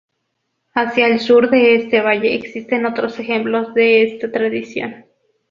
Hacia el sur de este valle existen otros ejemplos de esta tradición.